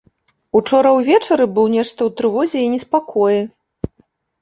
Учора ўвечары быў нешта ў трывозе і неспакоі.